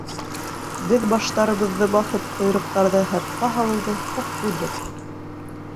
Беҙ баштарыбыҙҙы баҫып, ҡойроҡтарҙы һыртҡа һалыуҙы хуп күрҙек.